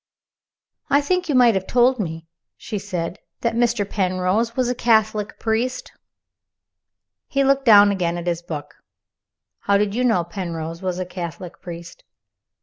"I think you might have told me," she said, "that Mr. Penrose was a Catholic priest." He looked down again at his book. "How did you know Penrose was a Catholic priest?"